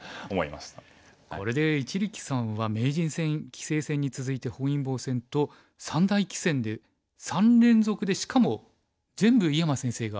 これで一力さんは名人戦棋聖戦に続いて本因坊戦と三大棋戦で３連続でしかも全部井山先生が相手ですか。